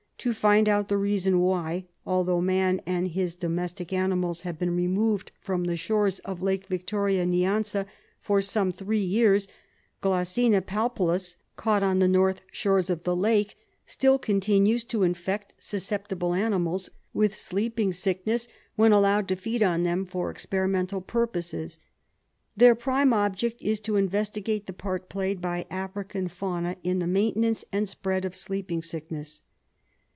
to find out the reason why, although man and his domestic animals have been removed from the shores of the Lake Victoria Nyanza for some three years, Glossina palpalis, caught on the north shores of the lake, still continues to infect susceptible animals with sleeping sickness when allowed to feed on them for experimental pm poses. Their prime object is to investigate the part played by African fauna in the maintenance and spread of sleeping sickness.